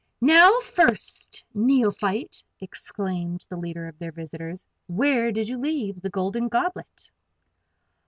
"Now, First Neophyte!" exclaimed the leader of their visitors. "Where did you leave the Golden Goblet?"